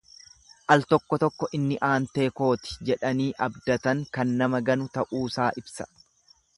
Al tokko tokko inni aantee kooti jedhanii abdatan kan nama ganu ta'uusaa ibsa.